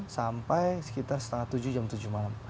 sampai sekitar setengah tujuh jam tujuh malam